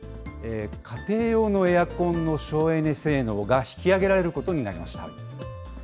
家庭用のエアコンの省エネ性能が引き上げられることになりました。